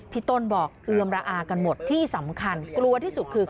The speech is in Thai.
พี่ต้นบอกเอือมระอากันหมดที่สำคัญกลัวที่สุดคือ